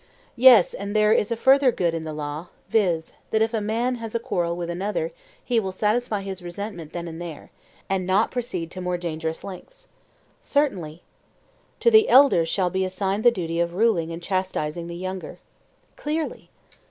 Yes; and there is a further good in the law; viz. that if a man has a quarrel with another he will satisfy his resentment then and there, and not proceed to more dangerous lengths. Certainly. To the elder shall be assigned the duty of ruling and chastising the younger. Clearly.